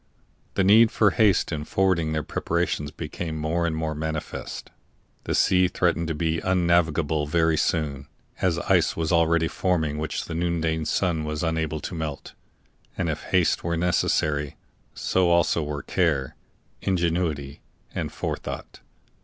The need for haste in forwarding their preparations became more and more manifest; the sea threatened to be un navigable very soon, as ice was already forming which the noonday sun was unable to melt. And if haste were necessary, so also were care, ingenuity, and forethought.